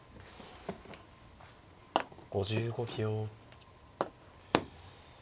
５５秒。